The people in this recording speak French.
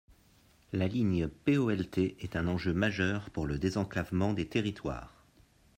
La ligne POLT est un enjeu majeur pour le désenclavement des territoires.